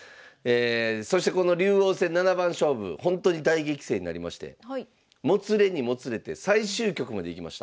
そしてこの竜王戦七番勝負ほんとに大激戦になりましてもつれにもつれて最終局までいきました。